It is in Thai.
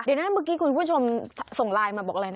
เดี๋ยวนั้นเมื่อกี้คุณผู้ชมส่งไลน์มาบอกอะไรนะ